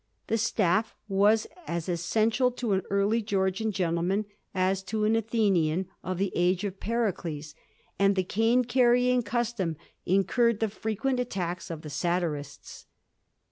The staff was as essential to an early Georgian gentleman as to an Athenian of the age of Pericles, and the cane carrying custom incurred the frequent attacks of the satirists.